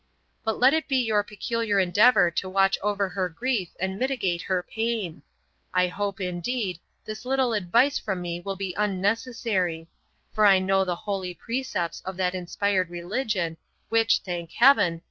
But let it be your peculiar endeavour to watch over her grief and mitigate her pain. I hope, indeed, this little advice from me will be unnecessary; for I know the holy precepts of that inspired religion, which, thank heaven!